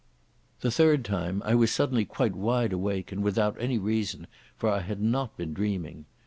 The third time I was suddenly quite wide awake, and without any reason, for I had not been dreaming.